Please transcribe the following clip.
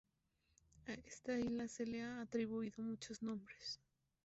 A esta isla se le han atribuido muchos nombres.